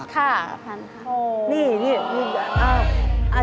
ฟันหัก